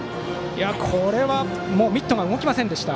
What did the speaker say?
これはミットが動きませんでした。